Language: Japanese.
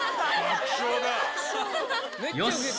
よし！